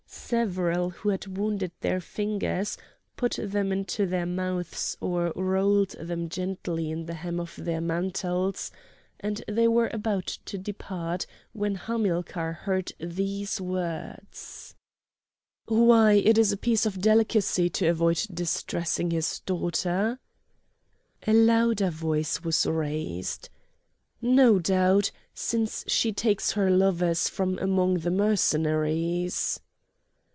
Several who had wounded their fingers put them to their mouths or rolled them gently in the hem of their mantles, and they were about to depart when Hamilcar heard these words: "Why! it is a piece of delicacy to avoid distressing his daughter!" A louder voice was raised: "No doubt, since she takes her lovers from among the Mercenaries!"